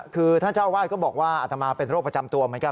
คือท่านเจ้าวาดก็บอกว่าอัตมาเป็นโรคประจำตัวเหมือนกัน